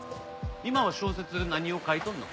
今は小説何を書いとんの？